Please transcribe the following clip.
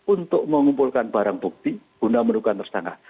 untuk mengumpulkan barang bukti guna menemukan tersangka